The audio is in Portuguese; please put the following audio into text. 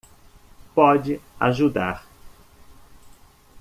Pode ajudar